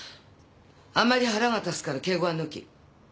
あんまり腹が立つから敬語は抜き！